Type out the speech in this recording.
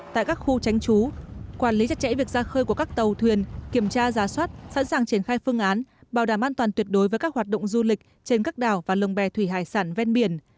tại các khu tránh chú quản lý chặt chẽ việc ra khơi của các tàu thuyền kiểm tra giá soát sẵn sàng triển khai phương án bảo đảm an toàn tuyệt đối với các hoạt động du lịch trên các đảo và lồng bè thủy hải sản ven biển